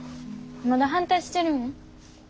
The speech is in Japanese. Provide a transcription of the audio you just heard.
まだ反対してるん？